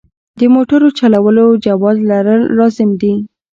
د موټر چلولو جواز لرل لازم دي.